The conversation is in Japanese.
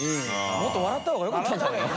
もっと笑った方がよかったんじゃないの？